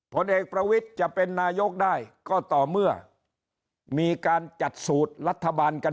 ผลเอกประวิทย์จะเป็นนายกได้ก็ต่อเมื่อมีการจัดสูตรรัฐบาลกัน